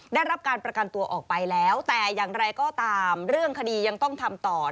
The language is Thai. ได้รับการประกันตัวออกไปแล้วแต่อย่างไรก็ตามเรื่องคดียังต้องทำต่อ